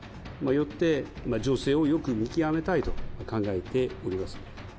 よって、情勢をよく見極めたいと考えております。